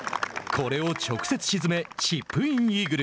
これを直接沈めチップインイーグル。